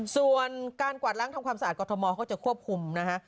ส่วนการกวาดล้างทำความสะอาดกรทมเขาจะควบคุมนะฮะ